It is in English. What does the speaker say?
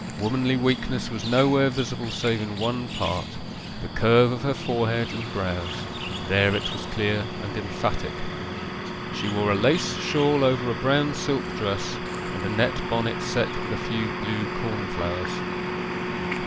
Womanly weakness was nowhere visible save in one part the curve of her forehead and brows there it was clear and emphatic. She wore a lace shawl over a brown silk dress, and a net bonnet set with a few blue cornflowers.